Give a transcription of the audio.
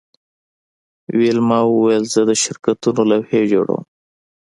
ویلما وویل زه د شرکتونو لوحې جوړوم